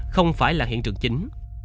không phải là hiện trường chính